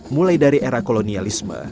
mulai dari era kolonialisme